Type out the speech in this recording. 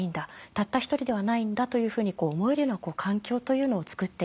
たった一人ではないんだというふうに思えるような環境というのをつくっていく。